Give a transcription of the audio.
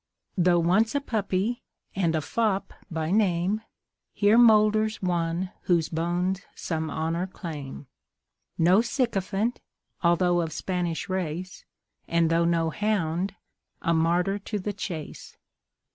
"Though once a puppy, and a fop by name, Here moulders one whose bones some honour claim; No sycophant, although of Spanish race, And though no hound, a martyr to the chase.